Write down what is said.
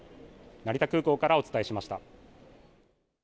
成田空港からお伝えしました。